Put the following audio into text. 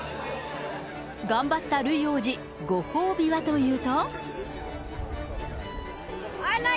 頑張ったルイ王子、ご褒美はというと。